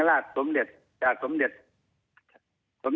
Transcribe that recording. ภัยบูรณ์นิติตะวันภัยบูรณ์นิติตะวัน